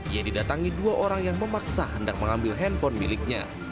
ia didatangi dua orang yang memaksa hendak mengambil handphone miliknya